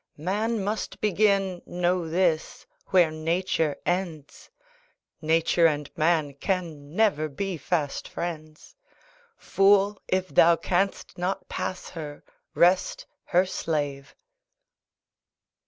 Man must begin, know this, where Nature ends; Nature and man can never be fast friends. Fool, if thou canst not pass her, rest her slave!